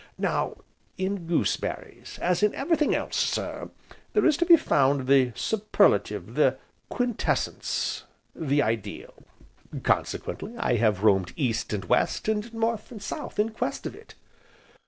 "Now, in goose berries, as in everything else, sir, there is to be found the superlative, the quintessence, the ideal. Consequently I have roamed East and West, and North and South, in quest of it."